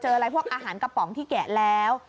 อะไรพวกอาหารกระป๋องที่แกะแล้ว